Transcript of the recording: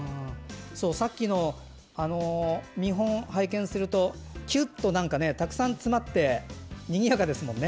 さっきの見本を拝見するとキュッとたくさん詰まってにぎやかですもんね。